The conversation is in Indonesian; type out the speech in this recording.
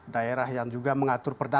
daerah yang juga mengatur perda